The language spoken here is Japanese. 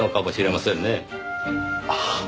ああ。